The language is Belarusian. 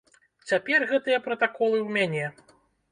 Цяпер гэтыя пратаколы ў мяне.